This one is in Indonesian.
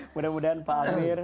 mudah mudahan pak amir